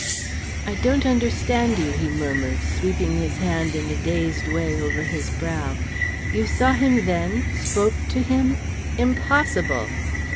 "I don't understand you," he murmured, sweeping his hand in a dazed way over his brow. "You saw him then? Spoke to him? Impossible!"